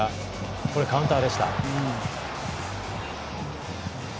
これカウンターでした。